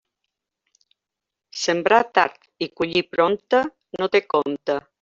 Sembrar tard i collir prompte, no té compte.